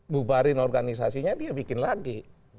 bubarin organisasinya dia bikin lagi